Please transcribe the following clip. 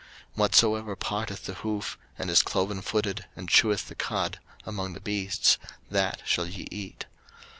03:011:003 Whatsoever parteth the hoof, and is clovenfooted, and cheweth the cud, among the beasts, that shall ye eat.